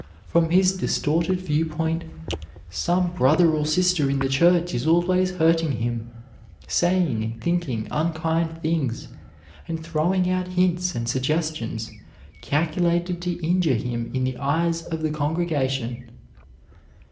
From his distorted viewpoint some brother or sister in the church is always hurting him, saying and thinking unkind things, or throwing out hints and suggestions calculated to injure him in the eyes of the congregation.